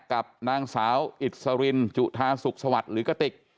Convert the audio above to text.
กับนางสาวอิสรินจุธาสุขสวัสดิ์หรือกระติก